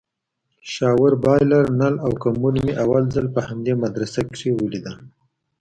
شاور بايلر نل او کموډ مې اول ځل په همدې مدرسه کښې وليدل.